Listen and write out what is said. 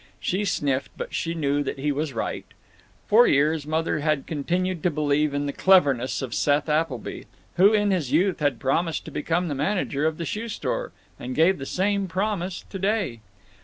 She sniffed, but she knew that he was right. For years Mother had continued to believe in the cleverness of Seth Appleby, who, in his youth, had promised to become manager of the shoe store, and gave the same promise to day.